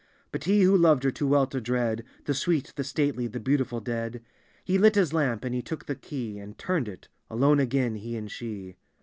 But he who loved her too well to dread The sweet, the stately, the beautiful dead, He lit his lamp, and he took the key And turned it — alone again, he and she.